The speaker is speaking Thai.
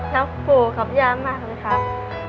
รักปู่กับย่ามากเลยครับ